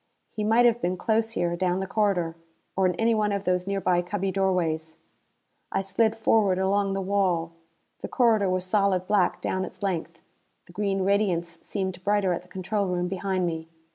He might have been close here down the corridor. Or in any one of these nearby cubby doorways. I slid forward along the wall. The corridor was solid black down its length: the green radiance seemed brighter at the control room behind me.